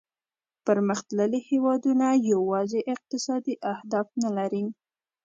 پرمختللي هیوادونه یوازې اقتصادي اهداف نه لري